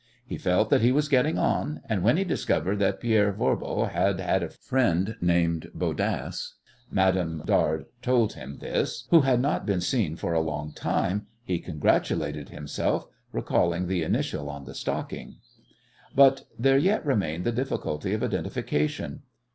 He felt that he was getting on, and when he discovered that Pierre Voirbo had had a friend named Bodasse Mademoiselle Dard told him this who had not been seen for a long time, he congratulated himself, recalling the initial on the stocking. But there yet remained the difficulty of identification.